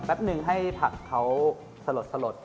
แป๊บนึงให้ผักเขาสลด